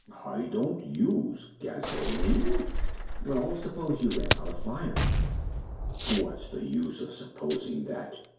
"I don't use gasoline." "Well, suppose you ran out of fire." "What's the use of supposing that?"